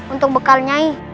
untuk bekal nyai